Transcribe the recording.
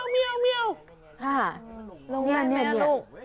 มิเย่าลงมาเลยเมียว